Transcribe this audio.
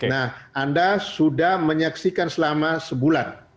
nah anda sudah menyaksikan selama sebulan